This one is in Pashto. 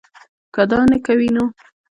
کۀ دا نۀ کوي نو